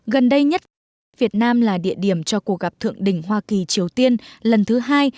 gần đây nhất việt nam là địa điểm cho cuộc gặp thượng đỉnh hoa kỳ triều tiên lần thứ hai